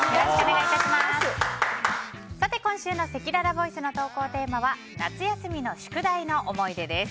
今週のせきららボイスの投稿テーマは夏休みの宿題の思い出です。